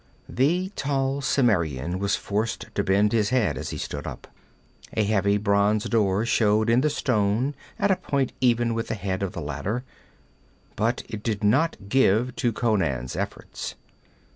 The tall Cimmerian was forced to bend his head as he stood up. A heavy bronze door showed in the stone at a point even with the head of the ladder, but it did not give to Conan's efforts.